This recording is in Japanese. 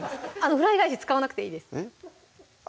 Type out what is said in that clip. フライ返し使わなくていいですえっ？